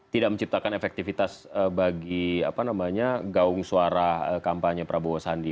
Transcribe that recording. tidak menciptakan efektivitas bagi gaung suara kampanye prabowo sandi